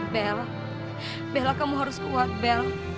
bella bella kamu harus kuat bella